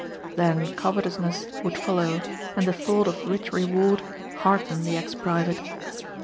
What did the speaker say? Then covetousness would follow and the thought of rich reward hearten the ex private.